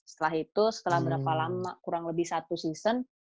setelah itu setelah berapa lama kurang lebih satu season